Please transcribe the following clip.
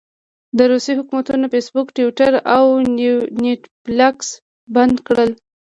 د روسيې حکومت فیسبوک، ټویټر او نیټفلکس بند کړل.